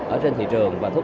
ở trên thị trường